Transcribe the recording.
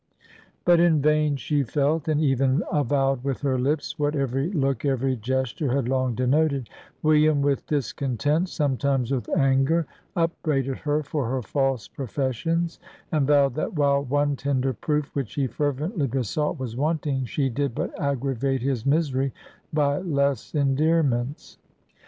But in vain she felt and even avowed with her lips what every look, every gesture, had long denoted; William, with discontent, sometimes with anger, upbraided her for her false professions, and vowed, "that while one tender proof, which he fervently besought, was wanting, she did but aggravate his misery by less endearments."